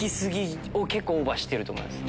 結構オーバーしてると思います。